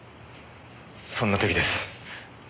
そんな時です。